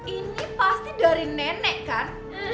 ini pasti dari nenek kan